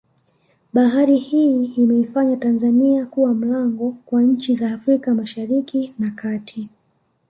Bahari hii imeifanya Tanzania kuwa mlango kwa nchi za Afrika mashariki na kati